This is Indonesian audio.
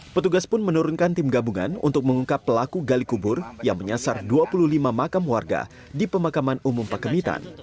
petugas pun menurunkan tim gabungan untuk mengungkap pelaku gali kubur yang menyasar dua puluh lima makam warga di pemakaman umum pakemitan